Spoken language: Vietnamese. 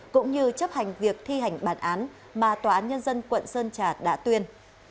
cũng như chấp hành việc thi hành bản án mà tòa án nhân dân quận sơn trà đã tuyên